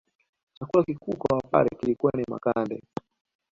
Chakula kikuu kwa wapare kilikuwa ni makande